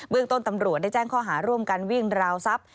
เรื่องต้นตำรวจได้แจ้งข้อหาร่วมกันวิ่งราวทรัพย์